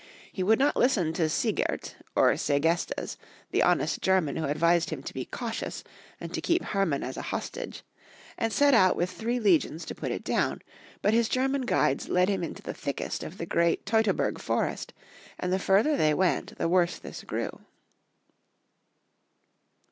He would not listen to Siegert or Segestes, the honest German who ad vised him to be cautious and to keep Herman as a hostage, and set out with three legions to put it down; but his German guides led him into the thickest of the great Teutoberg forest, and the further they went the worse this grew.